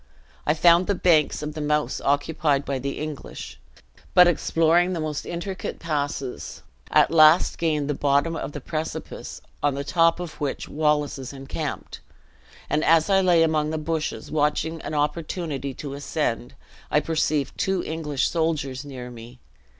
I found the banks of the Mouse occupied by the English; but exploring the most intricate passes, at last gained the bottom of the precipice on the top of which Wallace is encamped; and as I lay among the bushes, watching an opportunity to ascend, I perceived two English soldiers near me.